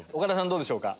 どうでしょうか？